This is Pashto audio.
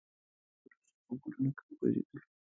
د لمانځه وروسته په ګلونو کې ګرځېدلو.